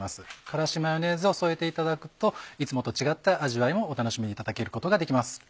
辛子ヨネーズを添えていただくといつもと違った味わいもお楽しみいただけることができます。